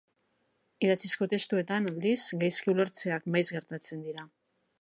Idatzizko testuetan, aldiz, gaizki-ulertzeak maiz gertatzen dira.